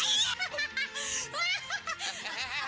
anggur gini buah